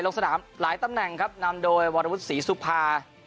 ลงสนามหลายตำแหน่งครับนำโดยวรวุฒิศรีสุภา